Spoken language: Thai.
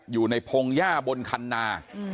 อยู่ในพงย่าบนคันนา